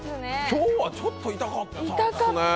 今日はちょっと痛かったですね。